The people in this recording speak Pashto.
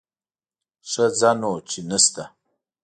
ښه ځه نو چې نه شته.